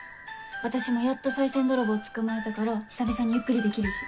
私もやっと賽銭泥棒捕まえたから久々にゆっくりできるし。